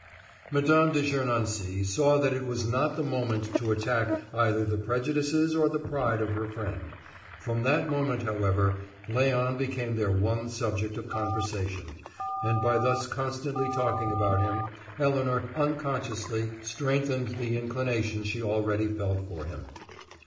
Mme. de Gernancé saw that it was not the moment to attack either the prejudices or the pride of her friend; from that moment, however, Léon became their one subject of conversation, and by thus constantly talking about him, Elinor unconsciously strengthened the inclination she already felt for him.